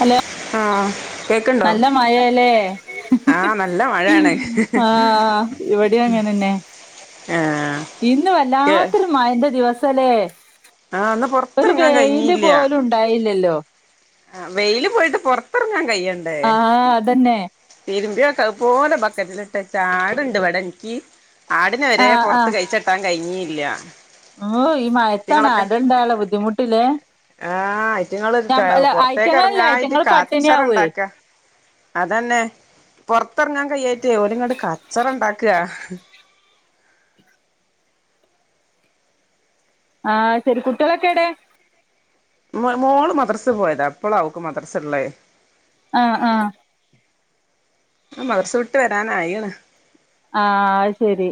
Hello ആഹ് കേക്ക്ണ്ടോ നല്ല മഴയാല്ലേ ഈഹ് ആഹ് നല്ല ഈഹ് മഴയാണ് ഈഹ് ആ ഇവിടെ അങ്ങനന്നെ ആഹ് ഇന്ന് കേ വല്ലാത്തൊരു മയന്റെ ദിവസല്ലേ? ആഹ് ഇന്ന് ഒരു പൊറത്തിറങ്ങാൻ വെയില് കഴിഞ്ഞില്ല പോലും ഉണ്ടായില്ലല്ലോ ആഹ് വെയില് പോയിട്ട് പുറത്തിറങ്ങാൻ കയ്യ ആഹ് അതന്നെ തിരുമ്പിയട്ട പോലെ ബക്കറ്റിലിട്ടട്ടാ ആടുണ്ട് ഇവിടെ നിക്കി ആടിനെ വരെ ആഹ് പുറത്ത് കഴിച്ചിട്ടാൻ കഴിഞ്ഞിയില്ല ഓഹ് മയത്താണ് അടണ്ടായാല ബുദ്ധിമുട്ടില്ലേ ആഹ് അയ്റ്റങ്ങള് ഞമ്മ് അല്ല പൊറത്തേക്ക് ഐറ്റങ്ങളില്ലേ എറങ്ങായിട്ട് ഐറ്റങ്ങള് പട്ടണി ആവുവേ തന്നെ പൊറത്തിറങ്ങാൻ കയാറ്റേ ഓലിങ്ങോട്ട് കച്ചറ ണ്ടാക്ക ആഹ് ശെരി കുട്ടികളൊക്കെ എടെ മ് മോള് മദ്രസ പോയതാ ഇപ്പോളാവക്ക് മദ്രസള്ളേ ആഹ് ആഹ് ആ മദ്റസവിട്ട് വരാനായിണ് ആഹ് ശരി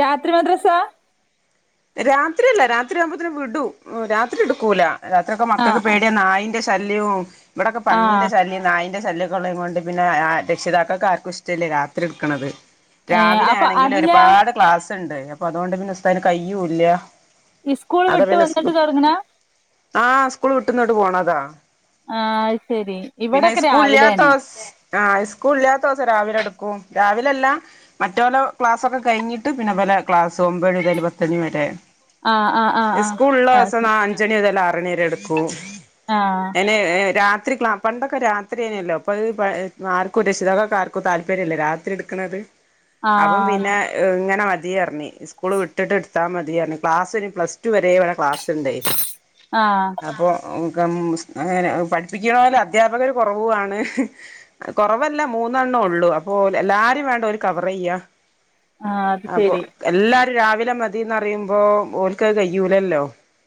രാത്രി മദ്രസ രാത്രിയല്ല രാത്രിയാവുമ്പോത്തേന് വിടൂ രാത്രി എടുക്കൂല രാത്രിയൊക്കെ മക്കൾക്ക് ആഹ് പേടിയ നായിന്റെ ശ് ശല്യോം ഇവിടൊക്കെ ആഹ് പന്നീന്റെ ശല്യം നായി ന്റെ ശല്യക്കൊള്ളകൊണ്ട് പിന്നെ ആ രക്ഷിതാക്കൾക്കാർക്കും ഇഷ്ടല്ല രാത്രി എടുക്കണത് ഏഹ് രാവിലെ അപ്പൊ ആണെങ്കില് അല്ല ഒരുപാട് ക്ലാസ് ഉണ്ട് അപ്പൊ അതുകൊണ്ട് പിന്നെ സ്താതിന് കയ്യൂല്ല ഈ സ്കൂൾ അത് വിട്ട് പിന്നെ സ്കൂ വന്നിട്ട് തുടങ്ങണ ആഹ് സ്കൂൾ വിട്ടുന്നൊട്ട് പോണതാ ആഹ് ശരി പിന്നെ ഇവിടൊക്കെ രാവിലെയാണ് സ്കൂളില്യാത്താ സ് ആഹ് സ്കൂൾ ഇല്ലാത്ത ദിവസം രാവിലെ എടുക്കും രാവിലല്ല മറ്റോല ക്ലാസ് ഒക്കെ കഴിഞ്ഞിട്ട് പിന്നെ പല ക്ലാസ് ഒമ്പണി തല് പത്തണി വരെ ആഹ് ആഹ് ആഹ് ആഹ് സ്കൂള്ളോസം അത് നാ അഞ്ചണി മുതലാറണി വരെ എടുക്കൂ ആഹ് എന്നെ രാത്രി ക്ലാ പണ്ടൊക്കെ രാത്രി അനെല്ലോ അപ്പോ ആർക്കും രഷിതാക്കക്കെ ആർക്കും താല്പര്യല്ല രാത്രി എടുക്ക ണത് അപ്പ ആഹ് അത് പിന്നെ ഇങ്ങനെ മതി പറഞ്ഞ് സ്കൂള് വിട്ട് ട്ടിട്ട് എടുത്താ മതിയറഞ്ഞു ക്ലാസ് പ്ലസ് ടു വരെ ഇവടെ ക്ലാസ് ഇണ്ടേ ആഹ് അപ്പോ അങ്ങനെ പഠിപ്പിക്കണോല് അദ്ധ്യാപകര് കൊറവുവാണ് കൊറവല്ല മൂന്നെണ്ണം ഉള്ളൂ അപ്പോ എല്ലാരും വേണ്ട ഒരു കവർ ചെയ്യാ ആഹ് അത് അപ്പോ ശരി എല്ലാരും രാവിലെ മതിന്നറിയുമ്പോ ഓൽക്കത് കയുലല്ലോ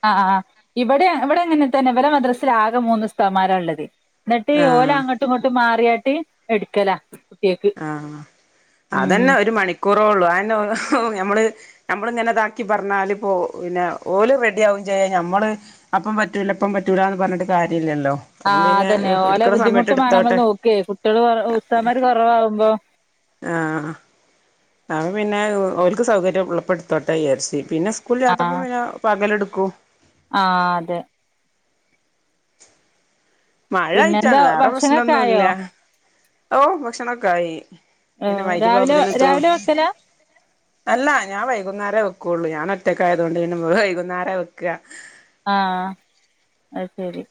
ആഹ് ആഹ് ഇവടെ ഇവടങ്ങനെ തന്നെ ഇവരെ മദ്രാസിലാകെ മൂന്ന് ഉസ്താദ് മാരാള്ളതി എന്നിട്ട് ആഹ് ഓലങ്ങോട്ടും ഇങ്ങോട്ടും മാറിയട്ട് എടുക്കല ആഹ് അതെന്ന ഒരു മണിക്കൂറേ ഒള്ളൂ ഞമ്മള് നമ്മള് ഇങ്ങനെതാക്കി പറഞ്ഞാല് ഇപ്പോ പിന്നെ ഓലും റെഡിയാവും ചെയ്യും നമ്മള് അപ്പം പറ്റൂല ഇപ്പം പറ്റൂലന്ന് പറഞ്ഞിട്ട് കാര്യല്ലല്ലോ അപ്പം ആഹ് പിന്നെ അതന്നെ ഓല ഇട്ക്ക്ണ സമയത്ത് ബുദ്ധിമുട്ട് നമ്മള് ഇട്ത്തോട്ടെ നോക്കിയേ കുട്ടികള് ഉസ്താദ്ന്മാർ കൊറവാകുമ്പോ ആഹ് അപ്പം പിന്നെ ഓല്ക്ക് സൗകര്യം ഉളപ്പടുത്തോട്ടെന്ന് വിചാരിച്ച് പിന്നെ ആഹ് സ്കൂളിലാത്തപ്പം പിന്നെ പകലെടുക്കു ആഹ് അതെ മഴ പിന്നെന്താ ആയിറ്റാണ് വേറെ ഭക്ഷണൊക്കെ ആയോ പ്രശ്നൊന്നുല്ല ഓഹ് ഭക്ഷണൊക്കായി ഓ, പിന്നെ രാവിലെ [unintelligible] നേത്തു രാവിലെ വെക്കലാ അല്ല ഞാൻ വൈകുന്നേരം വെക്കുള്ളു ഞാൻ ഒറ്റക്കയതുകൊണ്ട് വൈകുന്നേര വെക്കാ ആഹ് അത് ശെരി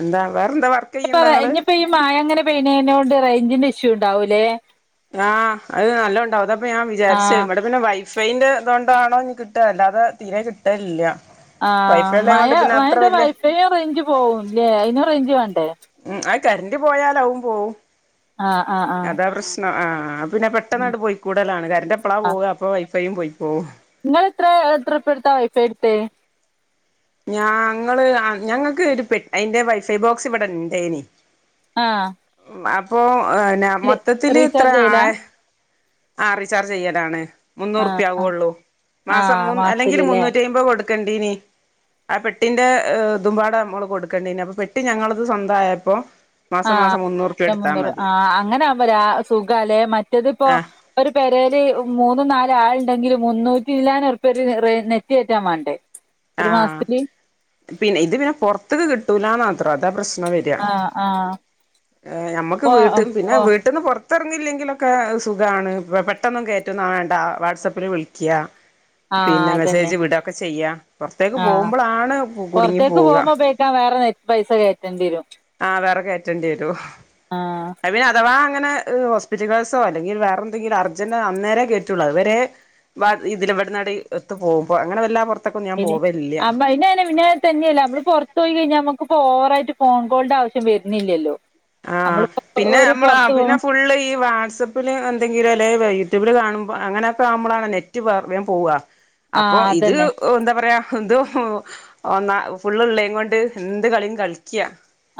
എന്താ വേറെന്താ വർ പറ ഇനിപ്പ ഈ മഴ അങ്ങനെ പെയണേനോണ്ട് റേഞ്ചിന്റെ ഇഷ്യൂ ഇണ്ടാവൂലേ ആഹ് അത് നല്ലോണ്ടാവും അതാപ്പോ ഞാൻ വിചാരിച്ചേ ആഹ് ഇവടെ പിന്നെ വൈഫൈന്റെ ഇതൊണ്ടാണോ ഇനി കിട്ടുകാ അല്ലാതെ തീരെെ കിട്ടലില്ല ആഹ് വൈഫൈ മഴ ഉള്ളേകൊണ്ട് പിന്നെ അത്ര മായൊണ്ടേ വല്യ വൈഫൈ റേഞ്ച് പോവുംല്ലേ അയിനും റേഞ്ച് വേണ്ടേ ഉം ആഹ് കറന്റ് പോയാലാവും പോവും ആഹ് ആഹ് ആഹ് അതാ പ്രശ്നം ആഹ് പിന്നെ പെട്ടന്നാട്ട് പോയി കൂടാലാണ് കരന്റെപ്പളാ പോവ്കാ അപ്പോ വൈഫൈയും പോയ്പോവും നിങ്ങള് എത്ര എത്ര റുപ്പി എടുത്താ വൈഫൈ എടുത്തേ? ഞാ ങ്ങള് ഞങ്ങക്ക് ഒരു പെ അയിന്റെ വൈഫൈ ബോക്സ് ഇവടെണ്ടേനി ആഹ് അപ്പോ ഏഹ് എന്നാ ഇല്ല മൊത്തത്തില് ഇത്ര റീചാർജ് ചെയ്യലാ ആഹ് ആഹ് റീചാർജ് ചെയ്യലാണ് ആഹ് മുന്നൂറുപ്യ ആഹ് ആവുള്ളൂ മാസം ആഹ് അല്ലെങ്കിൽ മാസത്തില്ല്ലേ മുന്നൂറ്റി അയ്മ്പത് കൊടു ക്കണ്ടിനി ആ പെട്ടിന്റെ ഇതുമ്പാടെ നമ്മള് കൊടുക്കേണ്ടിന്നെ അപ്പോ പെട്ടി ഞങ്ങടത് സ്വന്തായപ്പോ ആഹ് മുന്നൂറ് ആഹ് അങ്ങനെ ആവുമ്പരാ സുഖാലേ മറ്റേത്പ്പോ ആ ഒരു പേരേല് മൂന്ന് നാല് ആൾ ണ്ടെങ്കിലും മുന്നൂറ്റിചില്ലാൻ റുപ്പിയക്ക് നെറ്റ് കേറ്റാൻ വേണ്ടേ ഒരു ആഹ് മാസത്തില് പിന്നെ ഇത് പിന്നെ പൊറത്ത്ക്ക് കിട്ടൂലന്ന് മാത്രം അതാ പ്രശ് നവര്ക ആഹ് ആഹ് ഏഹ് ഞമ്മുക്ക് പോ വീട്ട പിന്നെ പോ വീട്ടന്ന് പൊ ത്തിറങ്ങില്ലെങ്കിലൊക്കെ സുഖാണ് ഇപ്പോ പെട്ടന്നും കേറ്റേന്നും വേണ്ട വാട്സപ്പില് വിളിക്കാ ആഹ് പിന്നെ അതന്നെ മെസ്സേജ് വിടൊക്കെ ചെയ്യാ പൊറത്തേക്ക് പോകുമ്പോളാണ് കുടുങ്ങി പോകാ ഇപ്പേട്ട വേറെ നെ പൈസ കേറ്റണ്ടി വരും ആഹ് വേറെ കേറ്റേണ്ടിവരും ആഹ് അഥവാ അങ്ങനെ ഹോസ്പിറ്റൽ കേസോ അല്ലെങ്കിൽ വേറെന്തെിലും അർജന്റോ അന്നേരേ കേറ്റുള്ളൂ അതുവരെ വ ഇതിലവിടനാടി എത്ത് പോക്പോ അങ്ങനെ വല്ലാ പൊറ് [unintelligible] തന്നെയല്ല നമ്മള് പൊറത്തൊയി കഴിഞ്ഞാ നമുക്ക്പ്പോ ഓവറായിട്ട് ഫോൺ കോളിന്റെ ആവശ്യം വരുന്നില്ലല്ലോ ആഹ് നമ്മളിപ്പോ പിന്നെ ഒരു നമ്മള പുറത്ത് പോ പിന്നെ ഫുള്ള് ഈ വാട്സപ്പ് പ്പില് എന്തെങ്കിലും അല്ലെ യൂട്യൂബില് കാണുമ്പോ അങ്ങനൊക്കവുമ്പോളാണ് നെറ്റ് വേം പോവാ ആ അപ്പോ ഇത് അതന്നെ എന്താ പറയാ എന്തോ ഒന്ന ഫുള്ളുള്ളേം കൊണ്ട് എന്ത് കളിയും കളിക്കാ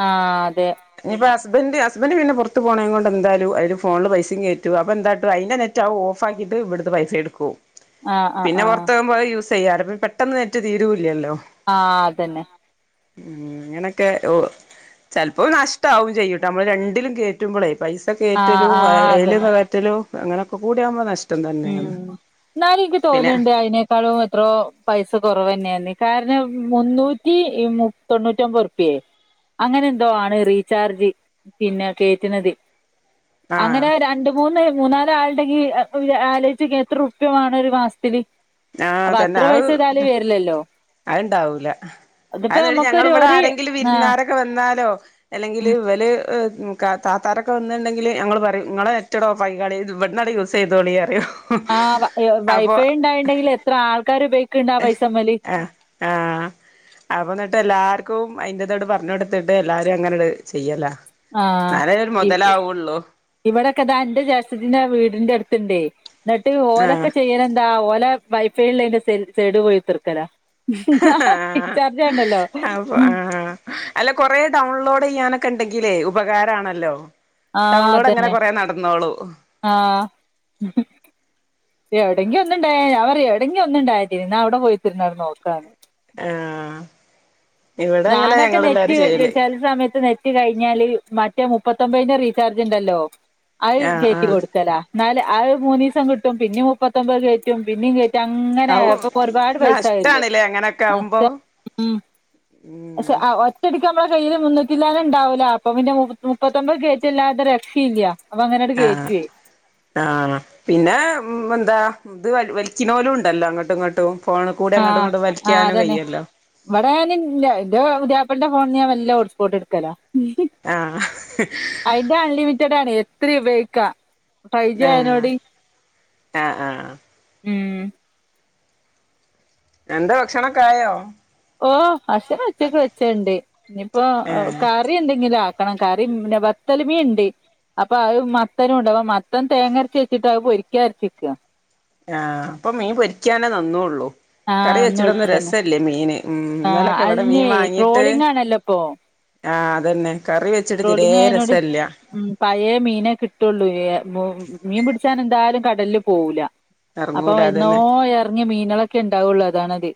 ആഹ്‌ അതെ ഇനിപ്പ ഹസ്ബന്ഡ ഹസ്ബന്റ് പിന്നെ പുറത്ത് പോണ കൊണ്ട് എന്താലും അതിന് ഫോണില് പൈസയും കേറ്റു അപ്പ എന്താട്ടും അന്റെ നെറ്റ് റ്റ ഓഫ് ആക്കിട് ഇവിടുത്തെ വൈഫൈ എടുകും ആ ആ പിന്നെ ആ പുറത്ത്കുമ്പോ അത് യൂസ് ചെയ്യാലോ പെട്ടെന്ന് നെറ്റ് തീരൂല്ലല്ലോ ആഹ് അതന്നെ ഉം അങ്ങനൊക്കെ ഓ ചിലപ്പോ നഷ്ടവും ചെയ്യൂട്ടെ നമ്മള് രണ്ടിലും കേ റ്റുമ്പോളേ ആ പൈസയറ്റലും ആ വയല അതന്നെ കറ്റലും അങ്ങനെയൊക്കെ കൂടിയകുമ്പോ നഷ്ടം ഉം തന്നെയാണ് എന്നാലും എനിക്ക് പിന്നെ തോന്നണ്ട് അയി ഇക്കാളും എത്രോ പൈസ കുറവന്നെയന്ന് കാരണം മുന്നൂറ്റി തൊണ്ണൂറ്റി ഒമ്പത് രൂപ്യ അങ്ങനെ എന്തോ ആണ് റീചാർജ് പിന്നെ കേയറ്റുന്നത് ആഹ് അങ്ങനെ രണ്ട് മൂന്ന് മൂന്നാല് ആളുണ്ടെങ്കി ആലോച്ച്ക്ക് എത്ര റുപ്പിയ വേണം ഒരു മാസത്തില് ആഹ് അപ്പൊ തന്നെ അത്ര പൈസ അത് താലും വരിലല്ലോ അത്ണ്ടാവൂല അത് ഞങ്ങ ഇവിടെ ഒരു ആരെങ്കിലും ആ വിരുന്നാരൊക്കെ വന്നാലോ അല്ലെങ്കിൽ ഇവല് ക താത്താരൊക്കെ വന്നുണ്ടെങ്കിൽ ഞങ്ങൾ പറയും നിങ്ങളെ നെറ്റ് ഓഫാക്കി കോളി ഇവ്ടന്ന് യൂസ് ചെയ്തോളി പറയും ആഹ് അപ്പൊ വൈഫൈ ഉണ്ടായിണ്ടെങ്കിൽ എത്ര ആൾക്കാര് ഉപയോഗിക്കണ്ടാ പൈസമ്മേല് ആഹ് ആഹ് അപ്പോ എന്നിട് അല്ലർക്ക് അയിന്റതോട് പറഞ്ഞൊടുത്തിട്ട് എല്ലാരും അങ്ങനെട് ചെയ്യല്ല ന്നാലരുമൊതലാവുള്ളൂ ഇവിടൊക്കെ ഇതാ ഇന്റെ ജേസ്ട്ടത്തിന്റെ വീടിന്റെ അടുത്ത്ണ്ടേ എന്നിട്ട് ആഹ് ഓലൊക്കെ ചെയ്യണ താ ഓല വൈഫൈൽന്റെ സൈടി പോയി കുത്തിർക്കലാ ആഹ് റീചാർജയ്യണ്ടല്ലൊ അപ്പൊ ആഹ് അല്ല കൊറെ ഡൗൺലോഡ് ചയ്യാനൊക്കെണ്ടെങ്കിലേ ഉപകാരാണല്ലോ ആഹ് അതന്നെ നടന്നോളൂ ആഹ് എവിടെങ്കോന്നുണ്ടേ ഞാൻ പറയും എവിടെങ്കോന്നുണ്ടായി മതിയർന്ന് നാൻ അവിടെ പോയി ഇത്തിരി നേരം നോക്കന്ന് ആഹ് ഇവിടെങ്ങനെ ഞാനൊക്കെ നെറ്റ് ഞങ്ങല്ലാരും ചെയ്യല് ചില സമയത്ത് നെറ്റ് കഴിഞ്ഞാല് മറ്റേ മുപ്പത്തൊമ്പതിന്റെ റീചാർജ്ണ്ടല്ലോ അയ് ആഹ് ആഹ് കേറ്റികൊടുക്കല എന്നാല് ആയ് മൂന്നൂസം കിട്ടും പിന്നെ മുപ്പത്തൊമ്പത് കേറ്റും പിന്നികേറ്റും അങ്ങനെ അവും അപ്പ ഒരുപാട് പൈസായല്ല നഷ്ടാണ്ല്ലേ അങ്ങനൊക്കെ ആവുമ്പോ അത് ഉം ഉം സാ ആഹ് [unintelligible] ശെരിക്ക് നമ്മളകയ്യിയില് മുന്നൂറ്റിച്ചില്ലാനം ഉണ്ടാവൂല്ല അപ്പ പിന്നെ മുമുപ്പത്തൊമ്പത് കേയറ്റല്ലാതെ രക്ഷയില്ല അപ്പ അങ്ങനണ്ട് ആഹ് കേറ്റേ ആഹ് പിന്നെ ഉം എന്താ ഇത് വലി വലിക്നോലുണ്ടല്ലോ അങ്ങട്ടും ഇങ്ങട്ടും ഫോണിൽ കൂടെ അങ്ങോട്ടു ആഹ് ഇങ്ങോട്ട് ആഹ് വലിക്കാനും അതന്നെ കയ്യല്ലോ ഇവിടെ ഞാന് ന്റെ ഇത് പുതിയാപ്ലന്റെ ഫോണന്ന് ഞാൻ മെല്ല ഹോട്ട്സ്പോട്ട് എട്ക്കല ആഹ് അയിന്റെ അൺലിമിറ്റഡാണ് എത്രേ ഉയോഗിക്കാം ആഹ് ആഹ് ആഹ് ഉം എന്താ ഭക്ഷണൊക്കായോ ഓഹ് ഭഷണം ഉച്ചക്ക് വെച്ചയിണ്ട് ഇനിപ്പോ ഏഹ് കാ കറി എന്തെങ്കിലും ആക്കണം കറിന്നെ വത്തല് മിനുണ്ട് അപ്പൊ അയ്മത്തനുണ്ട് അഹ് മത്തൻ തേങ്ങരച്ചവെച്ചിട്ട് അയ്പൊരിക്കാ അരച്ചിക ആഹ് ഇപ്പൊ മീപൊരിക്കാനേ നന്നൂള്ളൂ ആഹ് കറിവെച്ചിട്ട്‌ ഒന്നും അന്നുള്ളത് തന്നെ രസം ഇല്യ മീന് ഉം ആഹ് ഇന്നലൊക്കെ ഇവിടെ മീൻ അതിന് വാങ്ങീട്ട് ട്രോളിംഗ് ആണല്ലോ ഇപ്പൊ ആഹ് അതന്നെ കറി വെച്ചിട്ട്ത്തിരേ രസല്ല പയേമീനെ കിട്ടൊള്ളൂ ഏഹ് മീൻപിടിചാനെന്തായാലും കടല് പോവുല അപ്പൊ എറങ്ങൂല എന്നോ അതന്നെ എറങ്ങിയ മീനുകളൊക്കെ ഇണ്ടാവുള്ളൂ അതാണത്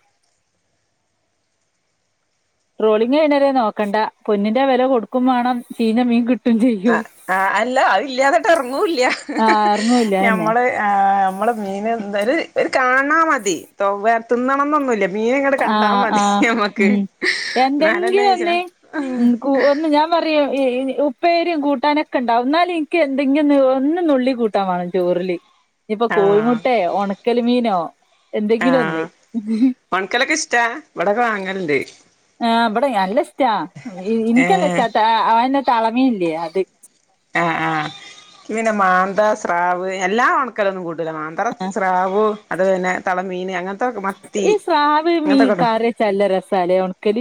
ട്രോളിംഗ് കഴിയും വരെ നോക്കണ്ട പൊന്നിന്റെ വെലകൊടുക്കുംവേണം ചീഞ്ഞമീൻകിട്ട ആഹ് ആ്ഹ് അല്ല അയ്ല്ലാതട്ടെറങ്ങൂല്ല്യ ആഹ് ഇറങ്ങൂല്ല അതന്നെ ഞമ്മളെ ആ്ഹ് നമ്മള്മീൻഎന്തര് ഒര്കാണാൻ മതി തിന്നണന്നൊന്നുല്ല്യാ ആഹ് ആഹ് മീന്ഇങ്ങടെകണ്ടാമതിനമ്മക്ക് ഉം എന്നാലല്ലേ എന്തെങ്കിലും ഒന്ന് ആഹ് ഉം കൂ ഒന്ന് ഞാൻ പറയും ഉപ്പേരിംകൂട്ടാനൊക്കെണ്ടാവും ന്നാലുംഇനിക്ക് എന്തെങ്കെന്ന്ഒന്ന് നുള്ളികൂ ട്ടാവേണംചോറില് ആഹ് ഇഞ്ഞിപ്പൊകോഴിമുട്ടെഒണക്കല് മീനോഎന്തെങ്കിലൊന്ന് ഒണക്കലൊക്കെഷ്ടാ ഇവിടൊക്കെവാങ്ങലുണ്ട് ആഹ് ബടെനല്ലഷ്ടാ ഏഹ് ഇൻക്കല്ലഷ്ട്ട താഓന്റെതളമീനില്ല്യേ അത് ആഹ് ആഹ് ക്ക്പിന്നെമാന്തസ്രാവ് എല്ലാംഓണ ക്കലൊന്നുംകൂട്ടൂല മാന്ത്രസ്രാവ് അത് തന്നെ തളമീൻ അങ്ങനെ ഈസ്രാവ്മീൻ കറിയെച്ചാൽനല്ല രസാലെ ഒണക്കല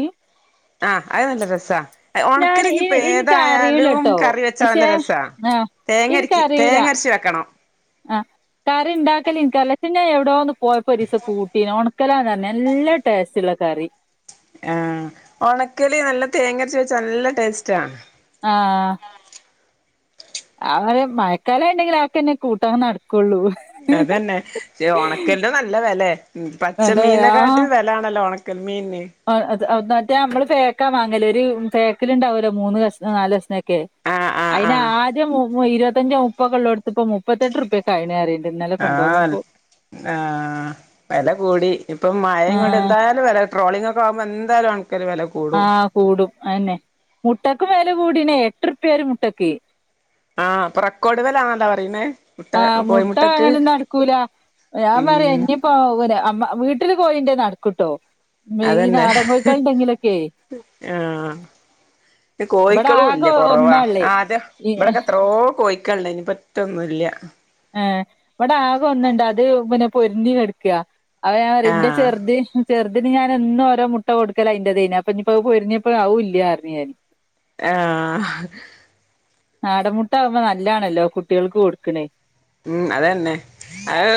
ആഹ്അയ്നല്ലരസാ ഞാൻ ഇ ഒണക്കലിപ്പോഇഞ്ഞിപ്പൊ ഇനിക്ക് അറിയൂലട്ടോ പക്ഷെ ഏതായാലുംകറിവെച്ചാനല്ലരസാ ആഹ് ഇനിക്കറിയൂല തേങ്ങരക്ക്തേങ്ങരച്ച് വെക്കണം ആഹ് കറിണ്ടാകലിൻകറിയിലപിന്നഓവ്ടെന്ന്പോയപൊരിസംകൂട്ടീന്ഓണ ക്കലാന്ന്പർഞ്ഞ നല്ല ടേസ്റ്റ്ള്ള കറി ആഹ് ഒണക്കല് നല്ല തേങ്ങരച്ച് വെച്ചാ നല്ല ടേസ്റ്റാ ആഹ് അങ്ങനെ മഴക്കാലം ണ്ടെങ്കിൽ ആക്കൊന്നെ കൂട്ടാൻ നടക്കുള്ളൂ അതന്നെ ക്ഷേ ഓണക്കല്ന്റെ നല്ല വെലേ പച്ച നല്ല മീനക്കാട്ടിലും വെല ലാണല്ലോ ഉണക്കൽ മീന് ആ മറ്റേ നമ്മള് പേക്കാ വാങ്ങല് ഒരു പേക്കില്ണ്ടാവല്ലോ മൂന്ന് കഷ്ണോ നാല് കശ്ണോ ക്കെ ആഹ് ആഹ് ആഹ് അയിനാദ്യം ഇരുപത്തഞ്ചോ മുപ്പോക്കള്ളോട്ത്തിപ്പൊ മുപ്പത്തെട്ടുർപ്യെ ക്കായിണ്റയണ്ട് ഇന്നലെ കൊണ്ടോന്നപ്പോ ആ വെല കൂടി ഇപ്പം മഴയും കൊണ്ട് ആഹ് എന്തായാലും വെലേ ട്രോളിംങ്ങൊക്കാവുമ്പോ എന്തായാലും ക്കല് വെല കൂടും ആഹ് കൂടും അയന്നെ മുട്ടക്കും വെല കൂടീണേ എട്ടുർപ്യെ ഒരു മുട്ടക്ക് ആഹ് പ്പ റെക്കോഡ് വെലാണന്നാ പറയുന്നേ ആഹ് മുട്ട വാങ്ങനൊന്നും നടക്കൂല ഞാൻ പറയാ ഉം ഇഞ്ഞി അമ്മ വീട്ടില് കോയിണ്ടേ നടക്കുട്ടോ അതന്നെ ആഹ് ഇവിടെ ആകെ കോഴിക്കളൂല്ല കുറവാ ഒന്നാള്ളേ ആ അതെ ഈ ഇവിടൊക്കെ എത്രയോ കോഴിക്കള്ണ്ടയ്നി നിപ്പ ഷ്ടൊന്നുല്ല ആഹ് ഇവടാകൊന്ന്ണ്ട് അത് പിന്നെ പൊരുന്തി കടക്കാ അത് ഞാൻ പറയും ന്റെ ആഹ് ചെർത് ചെറു തിന് ഞാനെന്നോരോ മുട്ട കൊടുക്കലയ്ന്റെതെയ്നപ്പൊഞ്ഞിപ്പോ അത് പൊരിന്തിയപ്പോ ആവുല്യാർഞ്ഞു ഞാന് ആഹ് നാടൻ മ്മുട്ടാവുമ്പോ നല്ലാണല്ലോ കുട്ടികൾക്ക് കൊടുക്ക്‌ണേ ഉം അതന്നെ അത്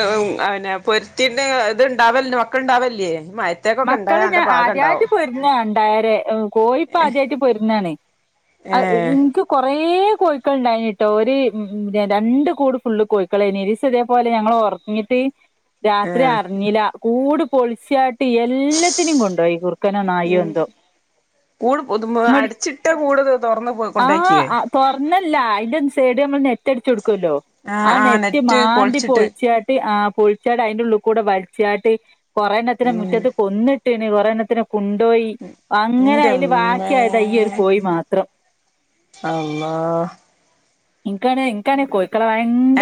അവനെ പൊരുത്തിന്റെത് ണ്ടാവല്ലോ മക്കള്ണ്ടാവല്ലേ മയ മക്കള് ഞാൻ ആദ്യമായിട്ട് പൊരുങ്ങാണ്ടായാരെ കോയിപ്പാദ്യമായിട്ട് പൊരുങ്ങാണ് അത് ഏഹ് ഇൻക്ക് കൊറേ കോഴിക്കള്ണ്ടായിനീട്ടോ ഒരു രണ്ട് കൂട് ഫുള്ള് കോഴ്ക്കളേനി ഒരീസതേപോലെ ഞങ്ങൾ ർ ന്നിട്ട് രാത്രി ഏഹ് അർഞ്ഞില്ല കൂട് പൊളിച്ചാ ട്ട് എല്ലത്തിനിം കൊണ്ടോയി കുർക്കനോ നായോ എന്തോ കൂട് പ്പൊ ഇങ്ങട് അടച്ചിട്ട കൂട് തൊറന്ന് കൊണ്ടോയക്കിയേ തൊർന്നല്ലാ അയ്ന്റെ ഒ സൈഡ് നമ്മൾ നെറ്റട്ച്ചൊടുക്കല്ലോ ആ ആഹ് ആഹ് നെറ്റ് മാന്തി പൊളിച്ചിട്ട് പൊൾച്ചാ ആ പൊൾച്ചാണ്ട്‌ അയ്ന്റുള്ള്ക്കൂടെ വൽച്ചാട്ട് കൊറേണ്ണത്തിനെ മു ഉം ട്ടീനി കൊറേണ്ണത്തിനെ കൊണ്ടോയി അങ്ങനെ അയ്ല് ഇന്റെമ്മേ ബാക്കിയായതാ ഈയ്യൊരു കോഴി മാത്രം അള്ളാ ഇൻക്കാണേ ക്കാണേ കോയ്ക്കളെ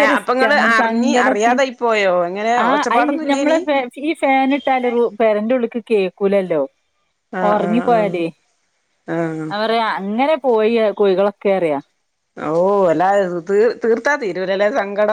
ഏഹ് അപ്പൊ ഇങ്ങള് ന്നട്ട് അറിഞ്ഞ് സങ്കടത്തി അറിയാതായി പോയോ എങ്ങനെ ആ ഐ ഒച്ചപ്പാടൊന്നും ഞമ്മളെ ഇല്ലേനി പെ ഈ ഫാനിട്ടാല് റു പേരന്റുള്ള്ക്ക് കേക്കൂലല്ലോ ആഹ് ആഹ് ആഹ് ഒർങ്ങിപ്പോയടീ ആഹ് അപറയാ അങ്ങനെ പോയി ആ കോഴികളൊക്കെറയാ ഓ അല്ലാ തീർത്താ തീരൂല്ലലേ സങ്കടം